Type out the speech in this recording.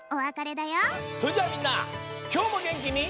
それじゃあみんなきょうもげんきに。